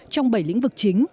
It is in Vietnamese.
trong bảy lĩnh vực chi tiết